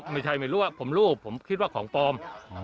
ไม่รู้ว่าผมรู้ผมคิดว่าของปลอม